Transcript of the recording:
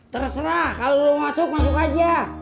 terserah kalau lo masuk masuk aja